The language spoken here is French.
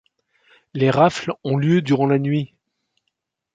Les rafles ont lieu durant la nuit.